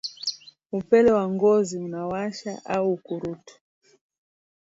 Upele wa ngozi unaowasha au ukurutu